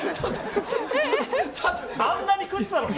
あんなに食ってたのに？